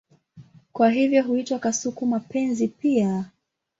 Kwa hivyo huitwa kasuku-mapenzi pia.